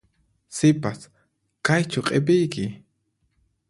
Sipas, kaychu q'ipiyki?